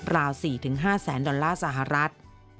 ราว๔๕แสนดอลลาร์สหรัฐ